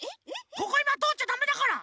ここいまとおっちゃだめだから。